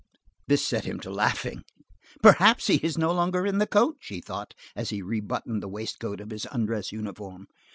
This set him to laughing. "Perhaps he is no longer in the coach," he thought, as he rebuttoned the waistcoat of his undress uniform.